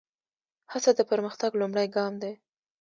هڅه د پرمختګ لومړی ګام دی.